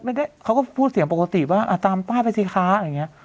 เขาก็พูดเสียงปกติว่าอ่ะตามป้าไปสิคะอะไรอย่างเงี้ย